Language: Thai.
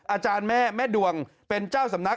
อาจารย์แม่แม่ดวงเป็นเจ้าสำนัก